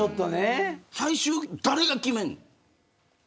最終、誰が決めるの。